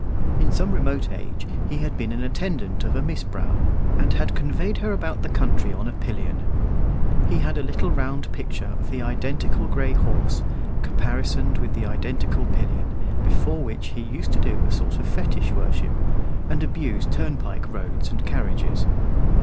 In some remote age he had been the attendant of a Miss Brown, and had conveyed her about the country on a pillion. He had a little round picture of the identical gray horse, caparisoned with the identical pillion, before which he used to do a sort of fetish worship, and abuse turnpike roads and carriages.